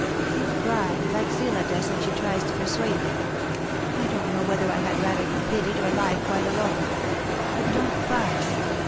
"You cry, like Zillah does when she tries to persuade me. I don't know whether I had rather be pitied, or lie quite alone. But don't cry.